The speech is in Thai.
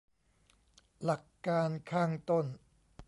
หลักการข้างต้น